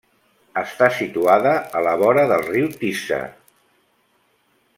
Està situada a la vora del riu Tisza.